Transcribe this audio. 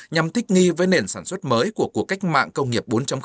nhằm thích nghi với nền sản xuất mới của cuộc cách mạng công nghiệp bốn